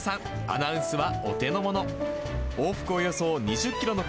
アナウンスはお手のもの。